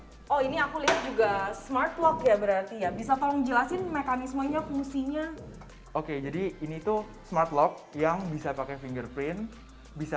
tolong jelasin mekanismenya fungsinya oke jadi ini tuh smartlog yang bisa pakai fingerprint bisa